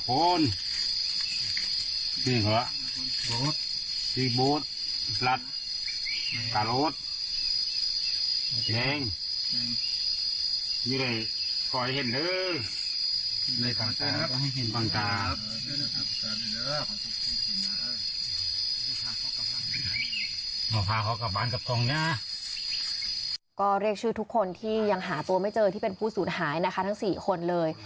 ก็เรียกชื่อทุกคนที่ยังหาตัวไม่เจอที่เป็นผู้สูญหายนะคะทั้ง๔คนเลย